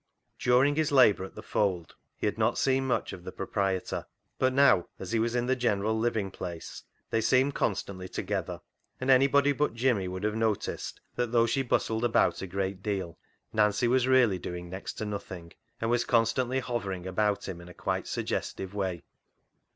During his labour at the Fold he had not 76 CLOG SHOP CHRONICLES seen much of the proprietor, but now as he was in the general living place they seemed constantly together, and anybody but Jimmy would have noticed that though she bustled about a great deal Nancy was really doing next to nothing, and was constantly hovering about him in a quite suggestive way.